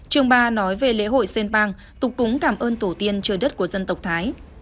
trường ba nói về lễ hội sen pang tục cúng cảm ơn tổ tiên trời đất của dân tộc thái